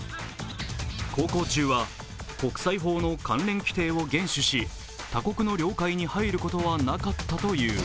航行中は国際法の関連規定を順守し、他国の領海に入ることはなかったという。